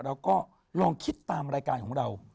เราก็ลองคิดตามรายการของเรา